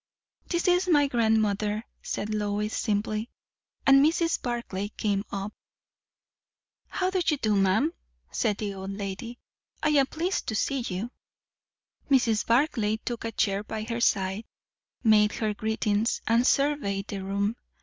"This is my grandmother," said Lois simply; and Mrs. Barclay came up. "How do you do, ma'am?" said the old lady. "I am pleased to see you." Mrs. Barclay took a chair by her side, made her greetings, and surveyed the room.